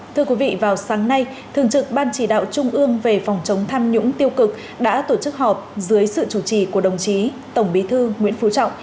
thưa quý vị vào sáng nay thường trực ban chỉ đạo trung ương về phòng chống tham nhũng tiêu cực đã tổ chức họp dưới sự chủ trì của đồng chí tổng bí thư nguyễn phú trọng